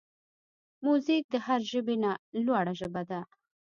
موزیک د هر ژبې نه لوړه ژبه ده.